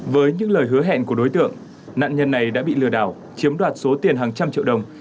với những lời hứa hẹn của đối tượng nạn nhân này đã bị lừa đảo chiếm đoạt số tiền hàng trăm triệu đồng